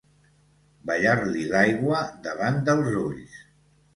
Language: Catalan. Ballar-li l'aigua davant dels ulls.